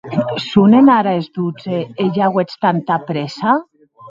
Sonen ara es dotze, e ja auetz tanta prèssa?